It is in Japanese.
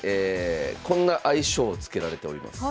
こんな愛称を付けられております。